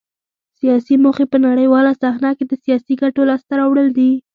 سیاسي موخې په نړیواله صحنه کې د سیاسي ګټو لاسته راوړل دي